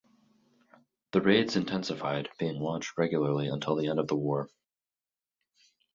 The raids intensified, being launched regularly until the end of the war.